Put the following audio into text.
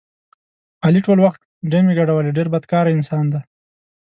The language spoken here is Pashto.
علي ټول وخت ډمې ګډولې ډېر بدکاره انسان دی.